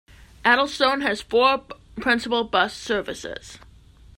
Addlestone has four principal bus services.